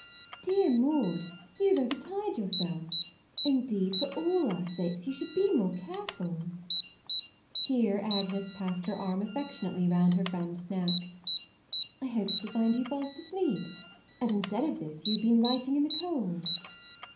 u Dear Maude, you have overtired yourself. Indeed, for all our sakes, you should be more careful ": here 66 MAUDE Agnes passed her arm affectionately round her friend's neck: u I hoped to find you fast asleep, and instead of this you have been writing in the cold.